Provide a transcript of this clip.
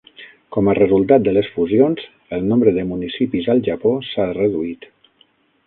Com a resultat de les fusions, el nombre de municipis al Japó s"ha reduït.